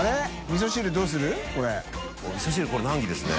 みそ汁これ難儀ですね。